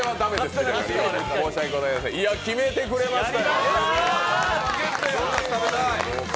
いや、決めてくれましたよ。